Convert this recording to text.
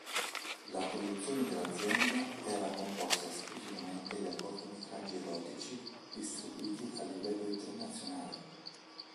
La produzione dell'azienda era composta esclusivamente da cortometraggi erotici distribuiti a livello internazionale.